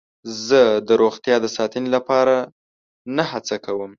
زه د روغتیا د ساتنې لپاره نه هڅه کوم.